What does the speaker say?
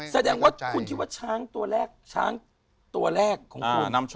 แสดงว่าคุณคิดว่าช้างตัวแรกของคุณ